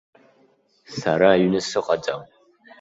Сара аҩны сыҟаӡам.